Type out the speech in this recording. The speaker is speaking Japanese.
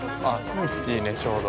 ◆いいね、ちょうど。